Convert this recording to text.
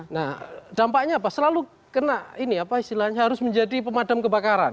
nah dampaknya apa selalu kena ini apa istilahnya harus menjadi pemadam kebakaran